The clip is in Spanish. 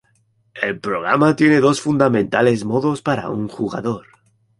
El programa tiene dos fundamentales modos para un jugador.